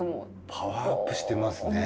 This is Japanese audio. パワーアップしてますね。